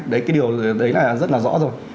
đấy cái điều đấy là rất là rõ rồi